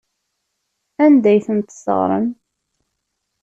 Anda ay ten-tesseɣrem?